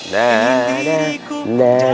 nah nah nah